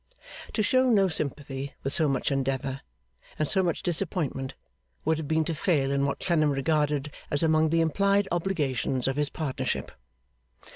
To show no sympathy with so much endeavour, and so much disappointment, would have been to fail in what Clennam regarded as among the implied obligations of his partnership.